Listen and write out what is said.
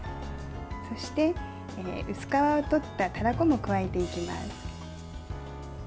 そして薄皮を取ったたらこも加えていきます。